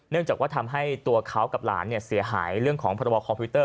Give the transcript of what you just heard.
จากว่าทำให้ตัวเขากับหลานเสียหายเรื่องของพรบคอมพิวเตอร์